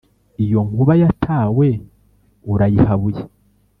iyo nkuba yatawe urayihabuye!